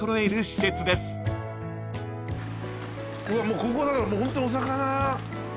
もうここはだからもうホントにお魚。